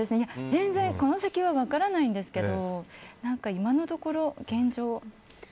全然この先は分からないですけど今のところ現状。